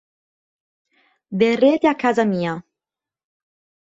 Verrete a casa mia!